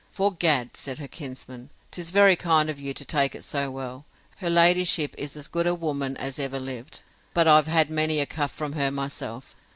'Fore gad, said her kinsman, 'tis very kind of you to take it so well. Her ladyship is as good a woman as ever lived; but I've had many a cuff from her myself.